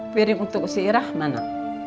piring untuk si irah mana